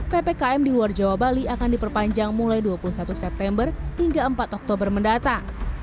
ppkm di luar jawa bali akan diperpanjang mulai dua puluh satu september hingga empat oktober mendatang